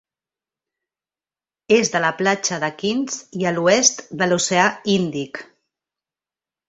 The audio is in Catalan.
És de la platja de Quinns i a l'oest de l'oceà Índic.